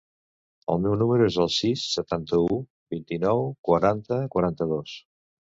El meu número es el sis, setanta-u, vint-i-nou, quaranta, quaranta-dos.